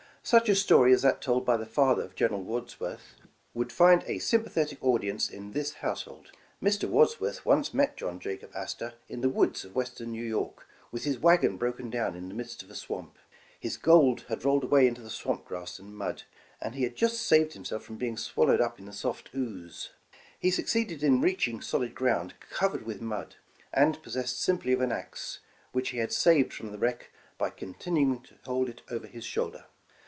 Such a story as that told by the father of General Wads worth, w^ould find a sympathetic audience in this household. Mr. Wadsworth once met John Jacob Astor in the woods of Western New York, with his wagon broken down in the midst of a swamp. His gold had rolled away into swamp grass and mud, and he had just saved himself from being swallowed up in the soft 76 Starting in Business ooze. He succeeded in reaching solid ground covered with mud, and possessed simply of an axe, which he had saved from the wreck by continuing to hold it over his shoulder.